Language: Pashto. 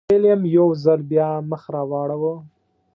ویلیم یو ځل بیا مخ راواړوه.